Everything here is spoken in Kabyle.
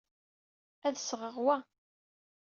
Ad d-sɣeɣ wa.